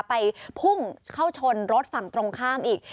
ไปพุ่งเข้าชนรถฝั่งตรงข้ามอีก